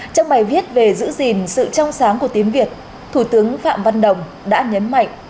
trong bài viết về giữ gìn sự trong sáng của tiếng việt thủ tướng phạm văn đồng đã nhấn mạnh